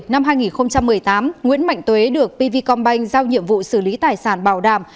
năm hai nghìn một mươi tám nguyễn mạnh tuế được pv combin giao nhiệm vụ xử lý tài sản bảo đảm